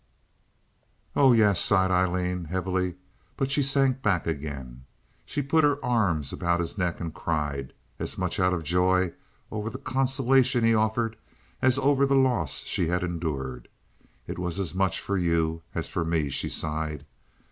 "Oh yes," sighed Aileen, heavily; but she sank back again. She put her arms about his neck and cried, as much out of joy over the consolation he offered as over the loss she had endured. "It was as much for you as for me," she sighed.